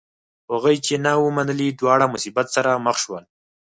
هغوی چې نه و منلی دواړه مصیبت سره مخ شول.